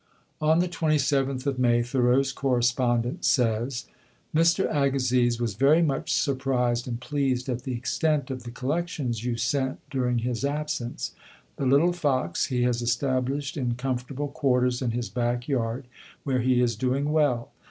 On the 27th of May, Thoreau's correspondent says: "Mr. Agassiz was very much surprised and pleased at the extent of the collections you sent during his absence; the little fox he has established in comfortable quarters in his backyard, where he is doing well.